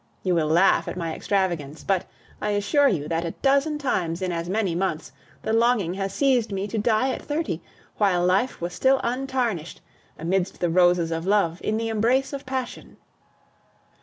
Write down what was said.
You will laugh at my extravagance; but, I assure you, that a dozen times in as many months the longing has seized me to die at thirty, while life was still untarnished, amidst the roses of love, in the embrace of passion.